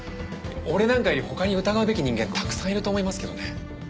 俺なんかより他に疑うべき人間たくさんいると思いますけどね。